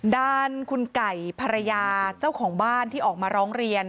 ด้านคุณไก่ภรรยาเจ้าของบ้านที่ออกมาร้องเรียน